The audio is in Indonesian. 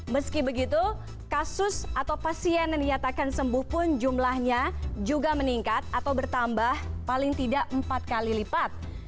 meski begitu kasus atau pasien yang dinyatakan sembuh pun jumlahnya juga meningkat atau bertambah paling tidak empat kali lipat